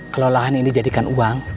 kalau lahan ini dijadikan uang